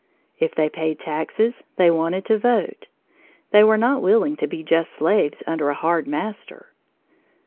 If they paid taxes, they wanted to vote. They were not willing to be just slaves under a hard master.